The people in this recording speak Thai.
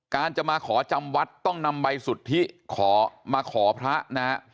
จะมาขอจำวัดต้องนำใบสุทธิขอมาขอพระนะฮะ